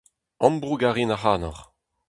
Ambroug a rin ac'hanoc'h.